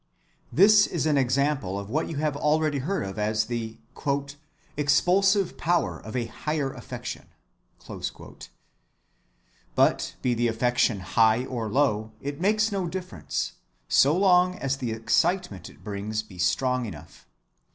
This is an example of what you have already heard of as the "expulsive power of a higher affection." But be the affection high or low, it makes no difference, so long as the excitement it brings be strong enough.